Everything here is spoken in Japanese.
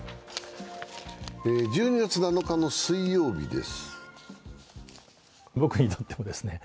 １２月７日の水曜日です。